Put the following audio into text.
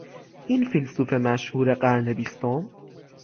این فیلسوف مشهور قرن بیستم